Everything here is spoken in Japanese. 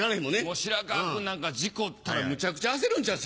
もう白川君なんか事故とかむちゃくちゃ焦るんちゃう？